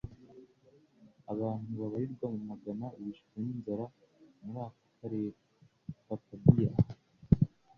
Abantu babarirwa mu magana bishwe n'inzara muri ako karere (papabear)